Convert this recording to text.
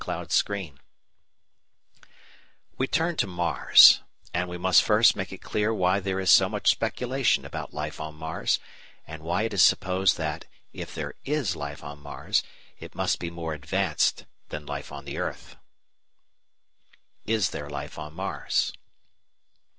] We turn to Mars; and we must first make it clear why there is so much speculation about life on Mars, and why it is supposed that, if there is life on Mars, it must be more advanced than life on the earth. Is there Life on Mars?